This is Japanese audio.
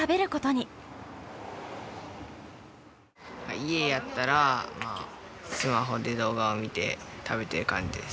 家やったらスマホで動画を見て食べてる感じです。